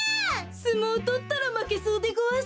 すもうとったらまけそうでごわす。